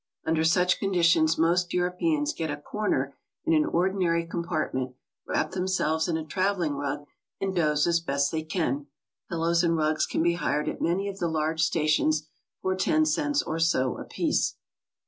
Under such conditions most Europeans get a corner in an ordinary compartment, wrap themselves in a traveling rug, and doze as best they can. Pillow's and rugs can be hired at many of the large stations for ten cents or so apiece.